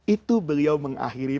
itu beliau mengakhiri